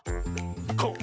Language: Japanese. こう。